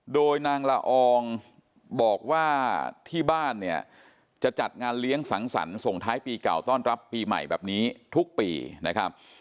โดยนางละอองบอกว่าที่บ้านเนี่ยจะจัดงานเลี้ยงสังสรรค์ส่งท้ายปีเก่าต้อนรับปีใหม่แบบนี้ทุกปีนะครับ